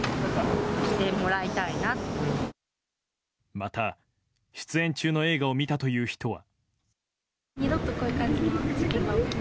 また、出演中の映画を見たという人は。